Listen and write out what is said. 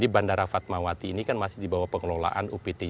bandara fatmawati ini kan masih di bawah pengelolaan uptj